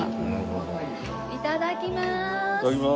いただきまーす！